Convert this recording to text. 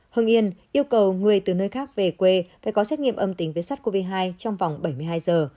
hương yên yêu cầu người từ nơi khác về quê phải có xét nghiệm âm tính với sắt covid một mươi chín trong vòng bảy mươi hai giờ